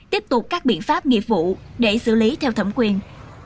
tiếp tục các biện pháp nghiệp vụ để xử lý theo thẩm quyền